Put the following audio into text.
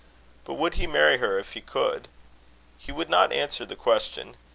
But would he marry her if he could? He would not answer the question.